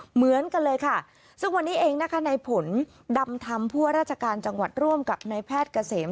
เหมือนกันเลยค่ะซึ่งวันนี้เองนะคะในผลดำธรรมผู้ว่าราชการจังหวัดร่วมกับนายแพทย์เกษม